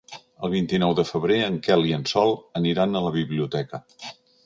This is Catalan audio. El vint-i-nou de febrer en Quel i en Sol aniran a la biblioteca.